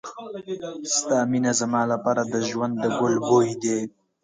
ستا مینه زما لپاره د ژوند د ګل بوی دی.